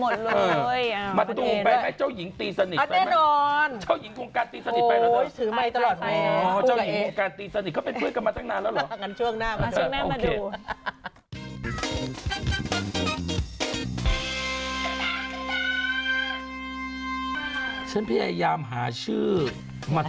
รวมกันมากมายทุกคนไปกันหมดเลยเหรอเพื่อนอ้ำ